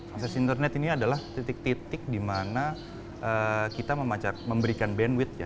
akses internet ini adalah titik titik di mana kita memberikan bandwidth ya